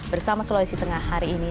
bersama sulawesi tengah hari ini